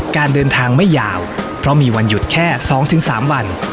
การเดินทางไม่ยาวเพราะมีวันหยุดแค่๒๓วัน